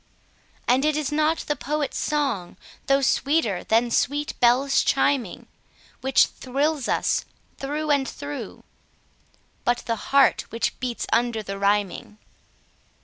And it is not the poet's song, though sweeter than sweet bells chiming, Which thrills us through and through, but the heart which beats under the rhyming.